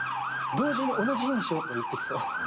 同時に同じ日にしようとか言ってきそう。